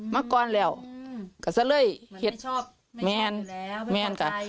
มากกอนแล้วกับเฉลยเข็ดแมนแมนกับ